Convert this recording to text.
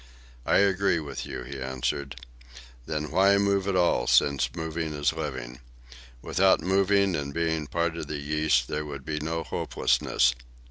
"I agree with you," he answered. "Then why move at all, since moving is living? Without moving and being part of the yeast there would be no hopelessness.